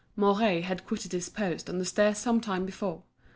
Mouret had quitted his post on the stairs some time before.